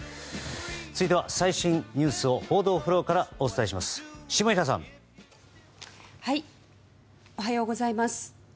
続いては最新ニュースを報道フロアからお伝えします、下平さん。おはようございます。